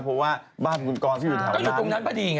เพราะว่าบ้านคุณกรก็อยู่แถวนั้น